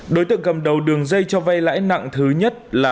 đối tượng cầm đầu đường dây cho vay lãi nặng thứ nhất là